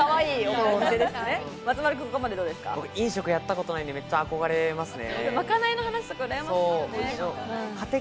飲食やったことないんで、めっちゃ憧れますね。